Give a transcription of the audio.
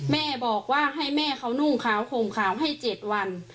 แม่บอกว่าให้แม่เขานุ่งขาวข่มขาวให้๗วัน